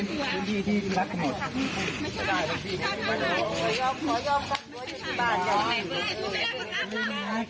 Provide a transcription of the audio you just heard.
ผมจะคุยทั้งเดียวกันหนึ่งเลย